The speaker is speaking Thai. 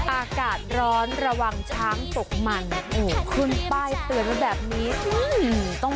อากาศร้อนระวังช้างตกหมั่นโอ้ขึ้นป้ายเตือนแบบนี้อื้อต้อง